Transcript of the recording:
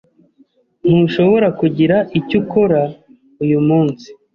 Ntushobora kugira icyo ukora uyu munsi.